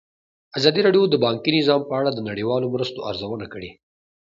ازادي راډیو د بانکي نظام په اړه د نړیوالو مرستو ارزونه کړې.